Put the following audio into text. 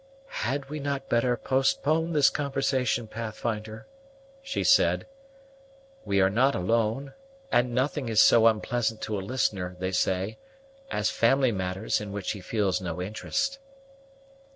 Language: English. "Had we not better postpone this conversation, Pathfinder?" she said; "we are not alone; and nothing is so unpleasant to a listener, they say, as family matters in which he feels no interest."